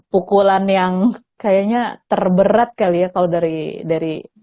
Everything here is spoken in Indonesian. pukulan yang kayaknya terberat kali ya kalau dari